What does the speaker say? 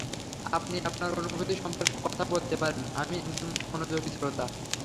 আপনি আপনার অনুভূতি সম্পর্কে কথা বলতে পারেন, আমি একজন মনোযোগী শ্রোতা।